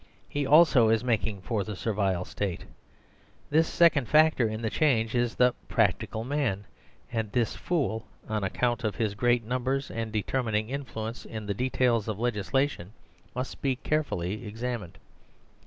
He also is making for the Ser vile State. This second factor in the change is the " Practical Man "; and this fool, on account of his great numbers and determining influence in the de tails of legislation, must be carefully examined.